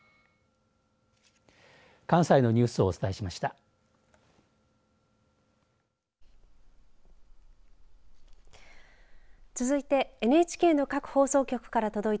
関西のニュースをお伝えしました。